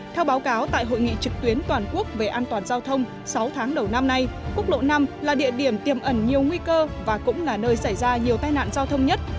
theo báo cáo tại hội nghị trực tuyến toàn quốc về an toàn giao thông sáu tháng đầu năm nay quốc lộ năm là địa điểm tiềm ẩn nhiều nguy cơ và cũng là nơi xảy ra nhiều tai nạn giao thông nhất